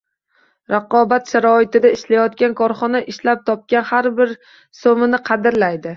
Raqobat sharoitida ishlayotgan korxona ishlab topgan har bir so‘mini qadrlaydi